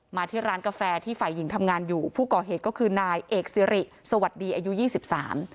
มาที่ร้านกาแฟที่ฝ่ายหญิงทำงานอยู่ผู้ก่อเหตุก็คือนายเอกสิริสวัสดีอายุยี่สิบสาม